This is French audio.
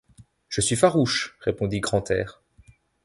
Je suis farouche, répondit Grantaire.